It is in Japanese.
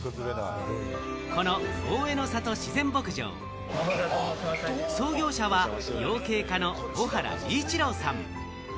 この大江ノ郷自然牧場、創業者は養鶏家の小原利一郎さん。